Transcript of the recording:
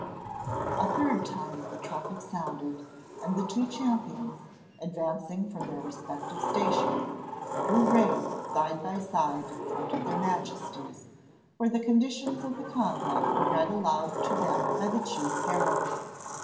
A third time the trumpets sounded, and the two champions, advancing from their respective stations, drew rein side by side in front of their Majesties, where the conditions of the combat were read aloud to them by the chief herald.